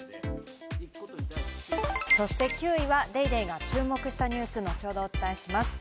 そして９位は『ＤａｙＤａｙ．』が注目したニュース、後ほどをお伝えします。